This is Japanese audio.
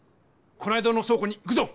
この間のそう庫に行くぞ！